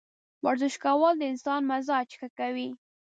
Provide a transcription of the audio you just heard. ورزش کول د انسان مزاج ښه کوي.